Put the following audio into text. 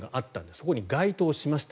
そこに該当しました。